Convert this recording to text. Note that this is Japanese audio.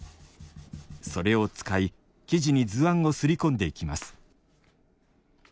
それを使い生地に図案を刷り込んでいきます